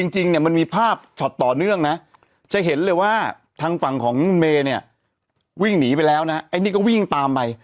จริงเนี่ยมันมีภาพช็อตต่อเนื่องนะจะเห็นเลยว่าทางฝั่งของเมย์เนี่ยวิ่งหนีไปแล้วนะไอ้นี่ก็วิ่งตามไป